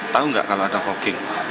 tahu nggak kalau ada fogging